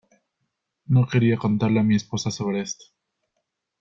No quería contarle a mi esposa sobre esto.